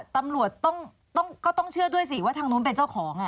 ตำรวจต้องเชื่อด้วยสิว่าทางนู้นเป็นเจ้าของ